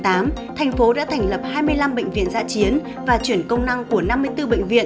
tp hcm đã thành lập hai mươi năm bệnh viện giã chiến và chuyển công năng của năm mươi bốn bệnh viện